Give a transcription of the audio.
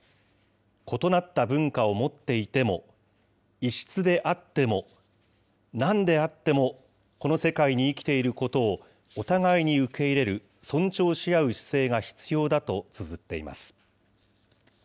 異なった文化を持っていても、異質であっても、何であっても、この世界に生きていることをお互いに受け入れる尊重し合う姿勢が必要だとつづっています。